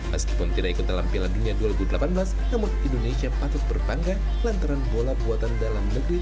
meskipun tidak ikut dalam piala dunia dua ribu delapan belas namun indonesia patut berbangga lantaran bola buatan dalam negeri